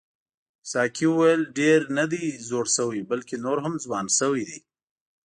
ساقي وویل ډېر نه دی زوړ شوی بلکې نور هم ځوان شوی دی.